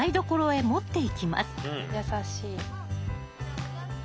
優しい。